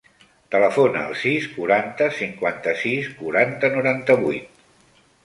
Telefona al sis, quaranta, cinquanta-sis, quaranta, noranta-vuit.